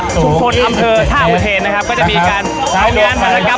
ตรงนี้ครับที่เป็นอ่าทุกคนอำเผอท่าอุเทนนะครับ